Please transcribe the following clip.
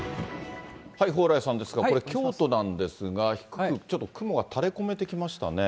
蓬莱さんですが、これ、京都なんですが、低くちょっと雲が垂れ込めてきましたね。